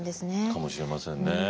かもしれませんね。